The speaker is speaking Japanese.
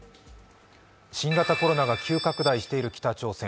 新型コロナが急拡大している北朝鮮。